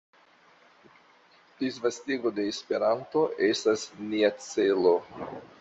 Disvastigo de Esperanto estas nia celo.